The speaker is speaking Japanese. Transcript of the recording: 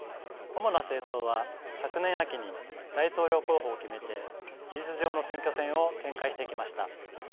主な政党は昨年秋に大統領候補を決めて事実上の選挙戦を展開していきました。